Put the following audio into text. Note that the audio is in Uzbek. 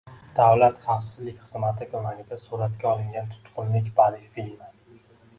Davlat xavfsizlik xizmati ko‘magida suratga olingan “Tutqunlik” badiiy filmi